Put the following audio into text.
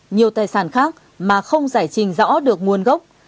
nhiều tài sản khác mà không giải trình rõ được nguồn gốc